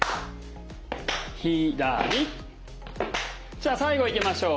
じゃあ最後いきましょう。